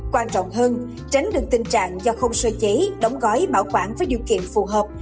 quan trọng hơn tránh được tình trạng do không sơ chế đóng gói bảo quản với điều kiện phù hợp